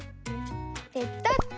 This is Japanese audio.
ペタッと！